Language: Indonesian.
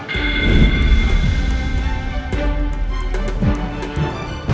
dan dia sudah kembali ke jalan